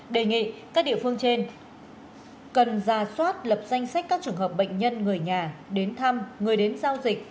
đề nghị các địa phương trên cần ra soát lập danh sách các trường hợp bệnh nhân người nhà đến thăm người đến giao dịch